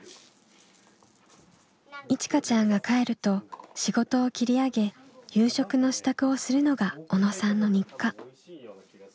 いちかちゃんが帰ると仕事を切り上げ夕食の支度をするのが小野さんの日課。